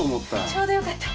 ちょうどよかった。